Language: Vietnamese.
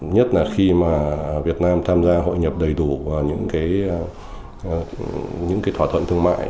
nhất là khi mà việt nam tham gia hội nhập đầy đủ vào những thỏa thuận thương mại